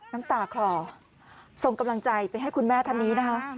น้ำตาคลอส่งกำลังใจไปให้คุณแม่ท่านนี้นะคะ